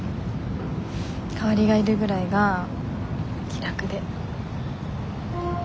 代わりがいるぐらいが気楽で。